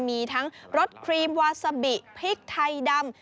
มีทั้งรสครีมวาซาบิพริกไทยดำ